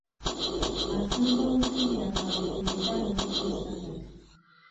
Asamba mupiira kaabukeerera n'okutuusa kati.